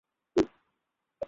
ও চলে গেছিল।